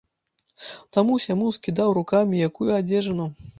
Таму-сяму скідаў рукамі якую адзежыну.